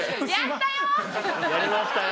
やりましたよ。